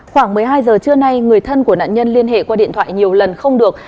khoảng một mươi hai giờ trưa nay người thân của nạn nhân liên hệ qua điện thoại nhiều lần không được